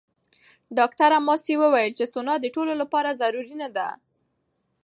ډاکټره ماسي وویل چې سونا د ټولو لپاره ضروري نه ده.